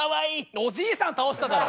おじいさん倒しただろ。